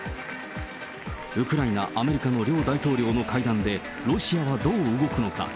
ウクライナ、アメリカの両大統領の会談で、ロシアはどう動くのか。